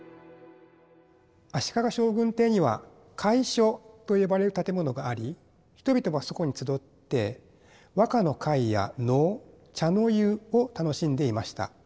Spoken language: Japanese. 足利将軍邸には会所と呼ばれる建物があり人々がそこに集って和歌の会や能茶の湯を楽しんでいました。